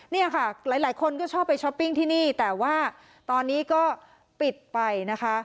เนี่ยค่ะหลายคนก็ชอบไปช้อปปิ้งที่นี่แต่ว่าตอนนี้ก็ปิดไปนะคะ